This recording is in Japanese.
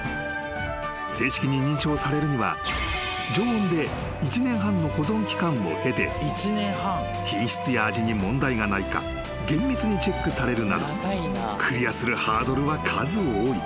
［正式に認証されるには常温で１年半の保存期間を経て品質や味に問題がないか厳密にチェックされるなどクリアするハードルは数多い。